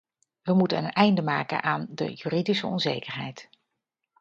We moeten een einde maken aan de juridische onzekerheid.